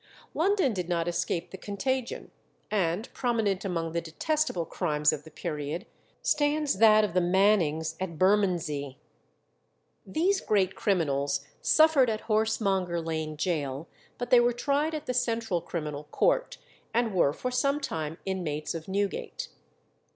London did not escape the contagion, and prominent among the detestable crimes of the period stands that of the Mannings at Bermondsey. These great criminals suffered at Horsemonger Lane Gaol, but they were tried at the Central Criminal Court, and were for some time inmates of Newgate.